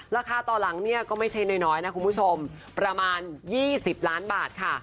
ตอนหลังเนี่ยก็ไม่ใช่น้อยนะคุณผู้ชมประมาณ๒๐ล้านบาทค่ะ